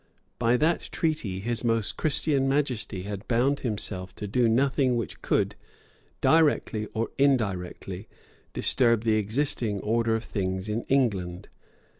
By that treaty His Most Christian Majesty had bound himself to do nothing which could, directly or indirectly, disturb the existing order of things in England.